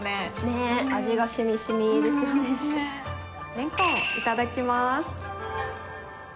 レンコンいただきます。